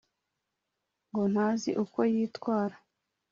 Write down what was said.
ngo ntazi uko yitwara